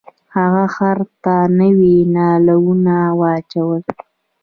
هغه خر ته نوي نالونه واچول.